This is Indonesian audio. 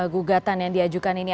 gugatan yang diajukan ini